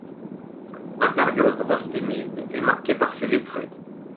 La période rostémide est marquée par ses lettrés.